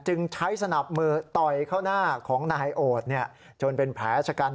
จึงใช้สนับมือต่อยเข้าหน้าของนายโอดจนเป็นแผลชะกัน